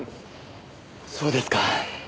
そうですか。